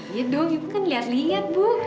iya dong ibu kan lihat lihat bu